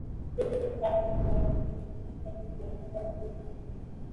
প্রতিটি ধাপ মোট নয়টি ছোট কুটির সদৃশ ‘রত্ন’ দ্বারা শোভিত।